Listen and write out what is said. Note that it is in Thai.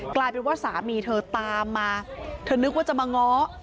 กลายเป็นว่าสามีเธอตามมาเธอนึกว่าจะมาง้อ